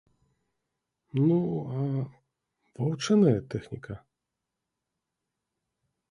Ну, а ваўчыная тэхніка?